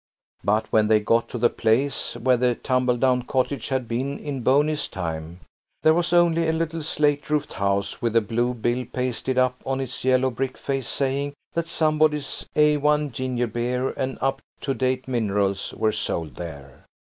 But when they got to the place where the tumbledown cottage had been in Boney's time, there was only a little slate roofed house with a blue bill pasted up on its yellow brick face saying that somebody's A1 ginger beer and up to date minerals were sold there.